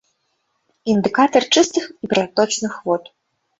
Індыкатар чыстых і праточных вод.